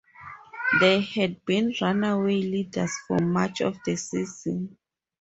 They had been runaway leaders for much of the season.